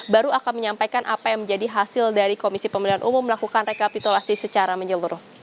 baru akan menyampaikan apa yang menjadi hasil dari komisi pemilihan umum melakukan rekapitulasi secara menyeluruh